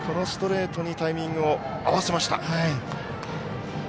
ストレートにタイミングを合わせました。